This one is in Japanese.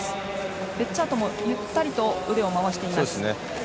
ベッジャートもゆったりと腕を回しています。